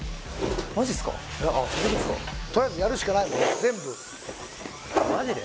マジすかとりあえずやるしかない全部・マジで？